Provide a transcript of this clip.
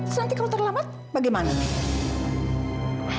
nanti kalau terlambat bagaimana